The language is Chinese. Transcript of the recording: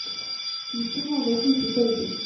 以清末为剧集背景。